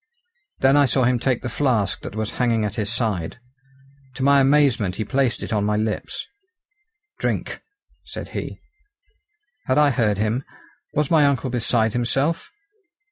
Then I saw him take the flask that was hanging at his side. To my amazement he placed it on my lips. "Drink!" said he. Had I heard him? Was my uncle beside himself?